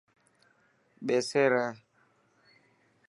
ٻيسي ري.